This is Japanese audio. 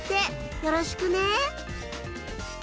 よろしくね。